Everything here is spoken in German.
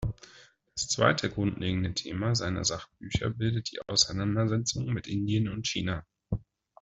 Das zweite grundlegende Thema seiner Sachbücher bildet die Auseinandersetzung mit Indien und China.